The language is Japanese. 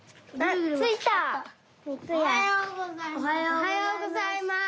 おはようございます！